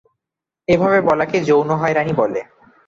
এভাবে বলাকে যৌন হয়রানি বলে।